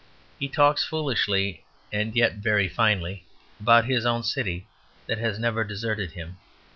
He talks foolishly and yet very finely about his own city that has never deserted him.